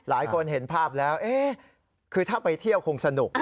หลายคนเห็นภาพแล้วคือถ้าไปเที่ยวคงสนุก